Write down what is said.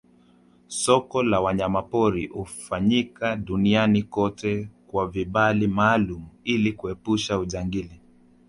Soko la nyama pori hufanyika Duniani kote kwa vibali maalumu ili kuepusha ujangili